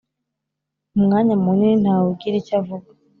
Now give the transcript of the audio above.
Umwanya munini nta wugira icyo avuga